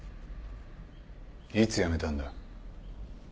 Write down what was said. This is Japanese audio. いつやめたんだ？